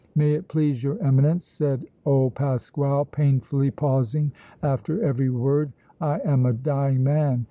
"May it please your Eminence," said old Pasquale, painfully pausing after every word, "I am a dying man.